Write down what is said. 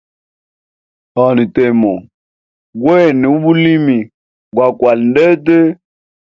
Hanha temo gwene ubulimi uklwala ndete.